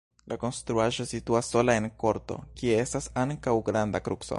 La konstruaĵo situas sola en korto, kie estas ankaŭ granda kruco.